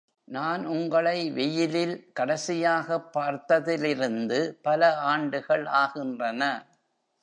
நான் உங்களை வெயிலில் கடைசியாகப் பார்த்ததிலிருந்து பல ஆண்டுகள் ஆகின்றன!